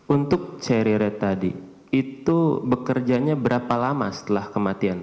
untuk cherry rate tadi itu bekerjanya berapa lama setelah kematian